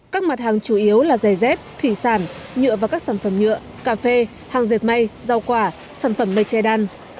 các mặt hàng chủ yếu là giày dép thủy sản nhựa và các sản phẩm nhựa cà phê hàng dệt may rau quả sản phẩm mây che đan